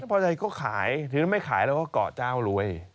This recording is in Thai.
พอใจก็ขายถึงไม่ขายเราก็เกาะเจ้ารวย